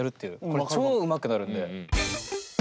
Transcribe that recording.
これ超うまくなるんで。